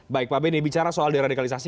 baik pak bini bicara soal diradikalisasi